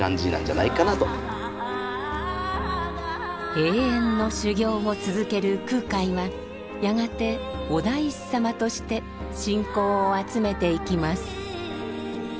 永遠の修行を続ける空海はやがてお大師様として信仰を集めていきます。